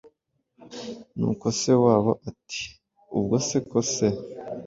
Nuko se wabo ati: “Ubwo se ko se